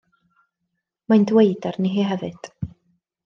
Mae'n dweud arni hi hefyd.